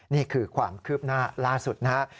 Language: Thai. นี่คือความคืบหน้าล่าสุดนะครับ